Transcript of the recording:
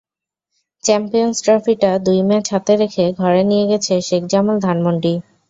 Champions ট্রফিটা দুই match হাতে রেখে ঘরে নিয়ে গেছে শেখ জামাল ধানমন্ডি।